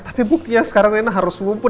tapi buktinya sekarang rena harus mumput